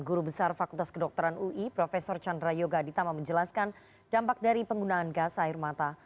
guru besar fakultas kedokteran ui prof chandra yoga ditama menjelaskan dampak dari penggunaan gas air mata